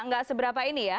gak seberapa ini ya